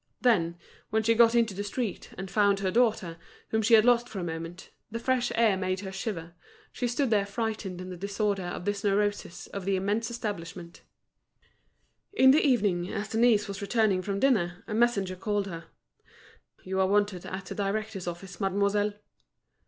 Then, when she got into the street, and found her daughter, whom she had lost for a moment, the fresh air made her shiver, she stood there frightened in the disorder of this neurosis of the immense establishments. In the evening, as Denise was returning from dinner, a messenger called her: "You are wanted at the director's office mademoiselle."